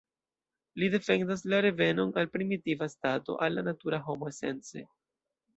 Li defendas la revenon al primitiva stato, al la natura homo esence.